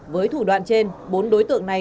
với thủ đoạn trên bốn đối tượng này